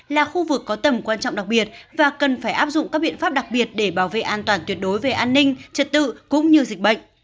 là khu vực có tầm quan trọng đặc biệt và cần phải áp dụng các biện pháp đặc biệt để bảo vệ an toàn tuyệt đối về an ninh trật tự cũng như dịch bệnh